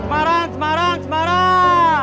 semarang semarang semarang